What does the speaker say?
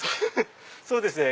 そうですね。